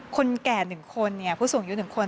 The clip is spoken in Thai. คนแก่๑คนผู้สูงอายุ๑คน